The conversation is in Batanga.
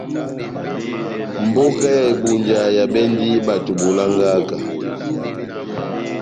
Mbóka ya Ebunja ehabɛndi bato bolangaka.